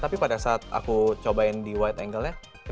tapi pada saat aku cobain di wide angle nya